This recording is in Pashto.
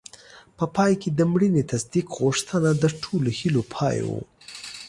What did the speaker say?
په پای کې د مړینې تصدیق غوښتنه د ټولو هیلو پای و.